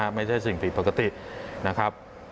อย่างนี้นะครับไม่ใช่สิ่งผิดปกตินะครับ